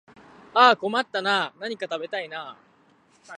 ああ困ったなあ、何か食べたいなあ